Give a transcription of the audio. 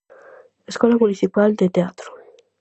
Escola municipal de teatro.